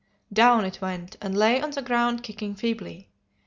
"Down it went, and lay on the ground kicking feebly.